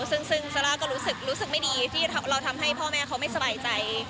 ซึ่งซาร่าก็รู้สึกไม่ดีที่เราทำให้พ่อแม่เขาไม่สบายใจ